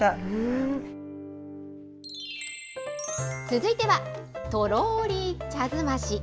続いては、とろーり茶ずまし。